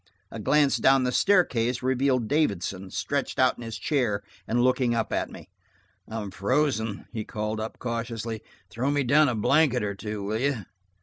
A glance down the staircase revealed Davidson, stretching in his chair and looking up at me. "I'm frozen," he called up cautiously. "Throw me down a blanket or two, will you?"